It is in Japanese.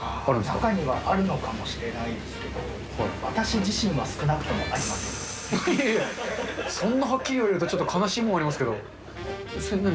中にはあるのかもしれないですけど、私自身は少なくともありいやいや、そんなはっきり言われるとちょっと悲しいものがありますけど。